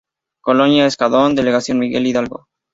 Colonia Escandón, Delegación Miguel Hidalgo.